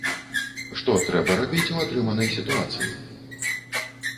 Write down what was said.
Што трэба рабіць у атрыманай сітуацыі?